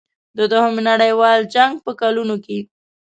د دوهم نړیوال جنګ په کلونو کې.